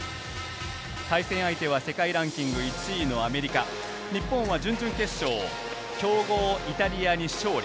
対戦相手は世界ランキング１位のアメリカ、日本は準々決勝、強豪イタリアに勝利。